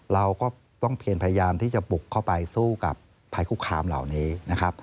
เราก็ต้องเพียนพยายามที่จะบุกเข้าไปสู้กับภัยคุกคามเหล่านี้นะครับ